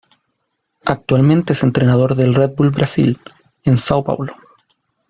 Actualmente es entrenador del Red Bull Brasil, en São Paulo.